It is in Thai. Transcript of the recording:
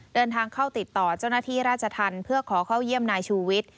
เดินทางเข้าติดต่อเจ้าหน้าที่ราชธรรมเพื่อขอเข้าเยี่ยมนายชูวิทย์